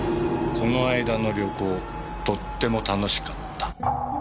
この間の旅行とっても楽しかった。